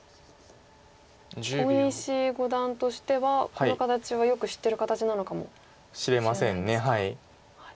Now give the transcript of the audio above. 大西五段としてはこの形はよく知ってる形なのかも。しれません。